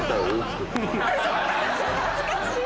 恥ずかしい。